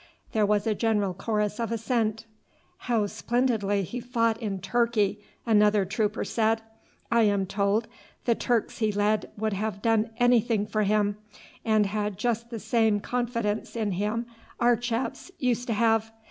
There was a general chorus of assent. "How splendidly he fought in Turkey!" another trooper said. "I am told the Turks he led would have done anything for him, and had just the same confidence in him our chaps used to have.